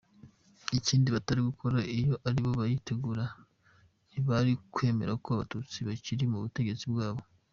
Ikindi batari gukora iyo aribo bayitegura, ntibari kwemera ko abatutsi bakira ku butegetsi bwabo.